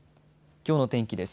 きょうの天気です。